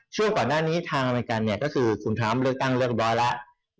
เชื่อกว่าหน้านี้ทางอเมริกาคุณทรัมป์เลือกตั้งเลือกบร้อยแล้ว